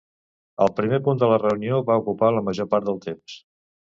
El primer punt de la reunió va ocupar la major part del temps.